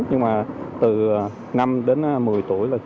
nhưng mà từ năm đến một mươi tuổi